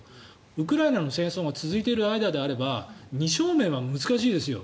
ウクライナの戦争が続いている間であれば二正面は難しいですよ。